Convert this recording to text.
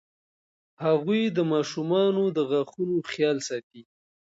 هغوی د ماشومانو د غاښونو خیال ساتي.